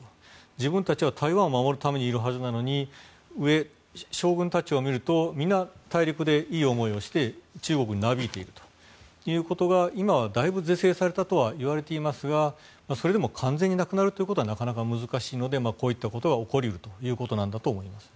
自分たちは台湾を守るためにいるはずなのに上、将軍たちを見るとみんな大陸でいい思いをして中国になびいているということが今はだいぶ是正されたとはいわれていますがそれでも完全になくなるというのは難しいのでこういったことが起こり得るということなんだと思います。